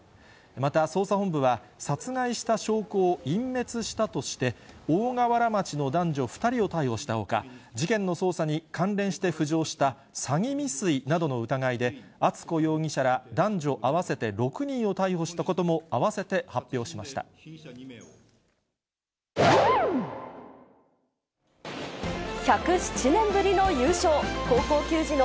また捜査本部は、殺害した証拠を隠滅したとして、大河原町の男女２人を逮捕したほか、事件の捜査に関連して浮上した詐欺未遂などの疑いで、敦子容疑者ら男女合わせて６人を逮捕したことも併せて発表しまし速報です。